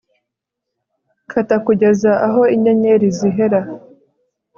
kata kugeza aho inyenyeri zihera